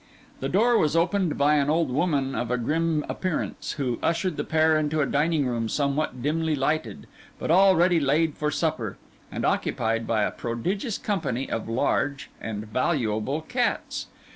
The door was opened by an old woman of a grim appearance, who ushered the pair into a dining room somewhat dimly lighted, but already laid for supper, and occupied by a prodigious company of large and valuable cats.